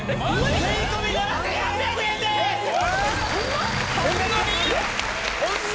税込７８００円です！ホンマ？